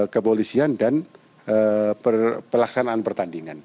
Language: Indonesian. kepolisian dan pelaksanaan pertandingan